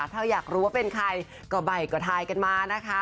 ถ้าอยากรู้ว่าเป็นใครก็ใบก็ทายกันมานะคะ